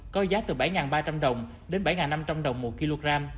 có giá từ bảy ba trăm linh đồng đến bảy năm trăm linh đồng một kg